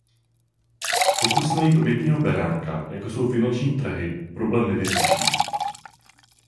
Pokusy najít obětního beránka, jako jsou finanční trhy, problémy nevyřeší.